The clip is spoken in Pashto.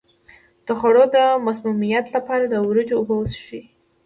د خوړو د مسمومیت لپاره د وریجو اوبه وڅښئ